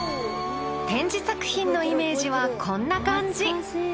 展示作品のイメージはこんな感じ。